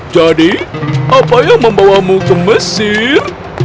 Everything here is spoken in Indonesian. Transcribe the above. jadi apa yang membawamu ke mesir